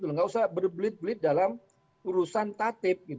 nggak usah berbelit belit dalam urusan tatip